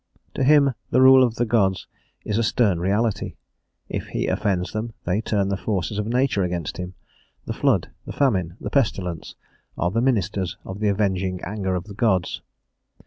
To him the rule of the gods is a stern reality; if he offends them they turn the forces of nature against him; the flood, the famine, the pestilence, are the ministers of the avenging anger of the gods.